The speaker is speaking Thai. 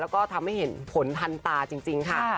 แล้วก็ทำให้เห็นผลทันตาจริงค่ะ